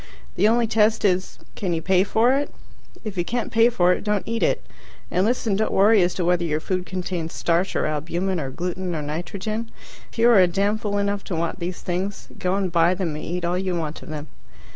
The only test is, can you pay for it? If you can't pay for it, don't eat it. And listen don't worry as to whether your food contains starch, or albumen, or gluten, or nitrogen. If you are a damn fool enough to want these things, go and buy them and eat all you want of them.